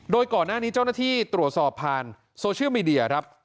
โดยก่อนหน้านี้เจ้าหน้าที่ตรวจสอบผ่านโซเชียลมีเดียครับ